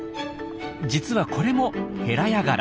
実はこれもヘラヤガラ。